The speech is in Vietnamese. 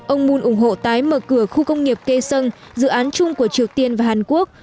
ông mon ủng hộ tái mở cửa khu công nghiệp kê sân dự án chung của triều tiên và hàn quốc